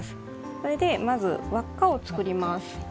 それでまず輪っかを作ります。